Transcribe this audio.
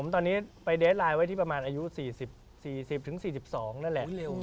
ตอนนี้ไปเดสไลน์ไว้ที่ประมาณอายุ๔๐๔๐๔๒นั่นแหละ